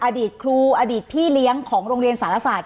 อดีตครูอดีตพี่เลี้ยงของโรงเรียนสารศาสต